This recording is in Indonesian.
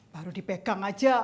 baru dipegang aja